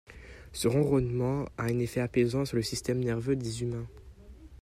Ce ronronnement a un effet apaisant sur le système nerveux des Humains.